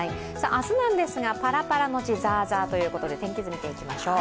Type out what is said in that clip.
明日なんですが、パラパラのちザーザーということで天気図見ていきましょう。